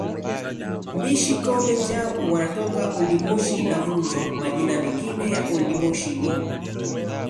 Mbishi Kombe Njau wanatoka Old Moshi na VunjoMajina mengine ya Old Moshi ni